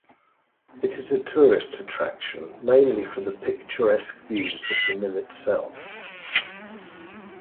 It is a tourist attraction mainly for the picturesque views of the mill itself.